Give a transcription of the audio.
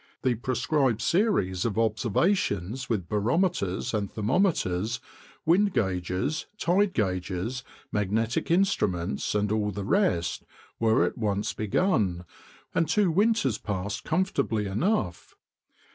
The prescribed series of observations with barometers and thermometers, wind gages, tide gages, magnetic instruments and all the rest, were at once begun, and two winters passed comfortably enough.